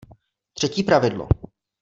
Třetí pravidlo!